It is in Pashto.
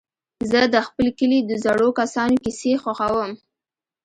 زه د خپل کلي د زړو کسانو کيسې خوښوم.